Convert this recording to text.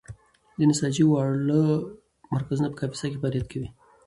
د نساجۍ واړه مرکزونه په کاپیسا کې فعالیت کوي.